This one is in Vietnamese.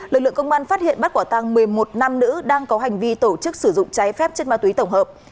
lực lượng công an phát hiện bắt quả tăng một mươi một nam nữ đang có hành vi tổ chức sử dụng trái phép chất ma túy tổng hợp